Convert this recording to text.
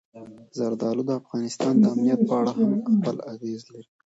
زردالو د افغانستان د امنیت په اړه هم خپل اغېز لري.